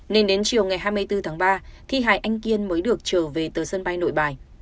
nên đến chiều ngày hai mươi bốn tháng ba thi hài anh kiên mới được trở về từ sân bay nội bài